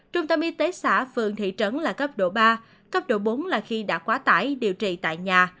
trung tâm y tế xã phường thị trấn là cấp độ ba cấp độ bốn là khi đã quá tải điều trị tại nhà